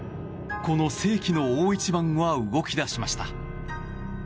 この世紀の大一番は動き出しました。